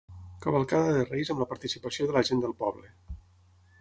Cavalcada de Reis amb la participació de la gent del poble.